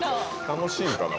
楽しいんかな？